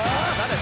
誰？